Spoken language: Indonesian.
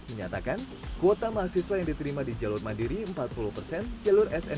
menyatakan kuota mahasiswa yang diterima di jalur mandiri empat puluh persen jalur snbt empat puluh persen dan snbp dua puluh persen